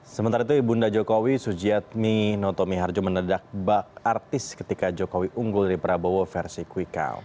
sementara itu ibu nda jokowi sujiatmi noto miharjo menedak bak artis ketika jokowi unggul dari prabowo versi kwikao